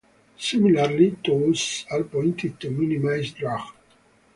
Similarly, toes are pointed to minimize drag.